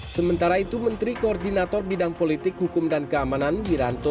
sementara itu menteri koordinator bidang politik hukum dan keamanan wiranto